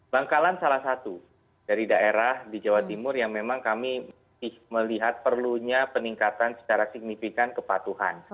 bangkalan salah satu dari daerah di jawa timur yang memang kami melihat perlunya peningkatan secara signifikan kepatuhan